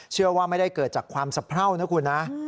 เชื่อว่าไม่ได้เกิดจากความสะเพรานะคุณนะ